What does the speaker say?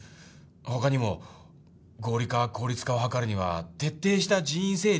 他にも合理化効率化を図るには徹底した人員整理が必要だとか。